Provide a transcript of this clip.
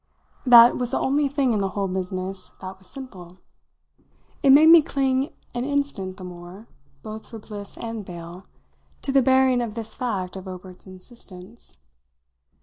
That was the only thing in the whole business that was simple. It made me cling an instant the more, both for bliss and bale, to the bearing of this fact of Obert's insistence.